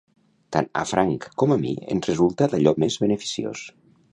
Tant a Frank com a mi ens resulta d'allò més beneficiós.